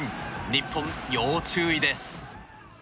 日本、要注意です。